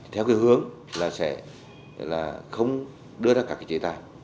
theo cái hướng là sẽ là không đưa ra các cái chế tài